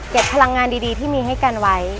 พลังงานดีที่มีให้กันไว้